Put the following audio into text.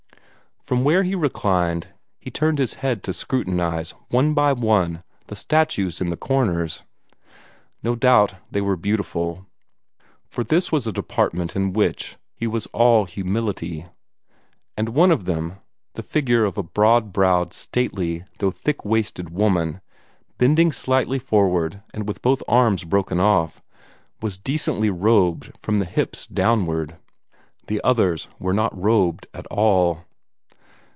From where he reclined, he turned his head to scrutinize, one by one, the statues in the corners. No doubt they were beautiful for this was a department in which he was all humility and one of them, the figure of a broad browed, stately, though thick waisted woman, bending slightly forward and with both arms broken off, was decently robed from the hips downward. The others were not robed at all.